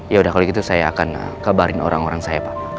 yaudah kalau gitu saya akan kebarin orang orang saya pak